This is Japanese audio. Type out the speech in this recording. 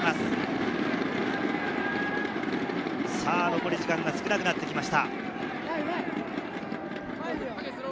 残り時間が少なくなってきました。